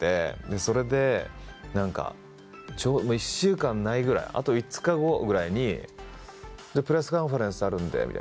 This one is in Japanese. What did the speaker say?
それで何か１週間ないぐらいあと５日後ぐらいに「プレスカンファレンスあるんで」みたいな。